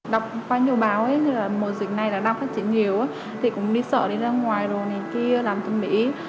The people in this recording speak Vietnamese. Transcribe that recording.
đọc qua nhiều báo mùa dịch này đang phát triển nhiều thì cũng đi sợ đi ra ngoài làm tình bị